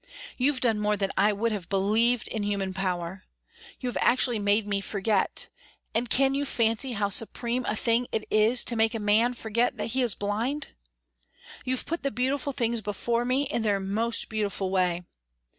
You've done more than I would have believed in human power. You have actually made me forget, and can you fancy how supreme a thing it is to make a man forget that he is blind? You've put the beautiful things before me in their most beautiful way.